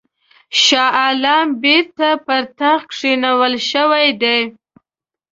شاه عالم بیرته پر تخت کښېنول شوی دی.